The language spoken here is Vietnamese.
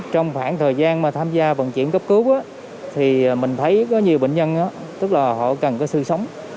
trong khoảng thời gian mà tham gia vận chuyển cấp cứu thì mình thấy có nhiều bệnh nhân tức là họ cần có sự sống